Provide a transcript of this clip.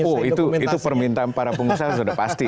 oh itu permintaan para pengusaha sudah pasti